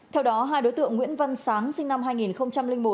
theo đó hai đối tượng nguyễn văn sáng sinh năm hai nghìn một